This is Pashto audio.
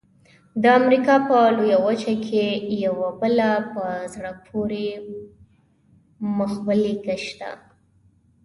د امریکا په لویه وچه کې یوه بله په زړه پورې مخبېلګه شته.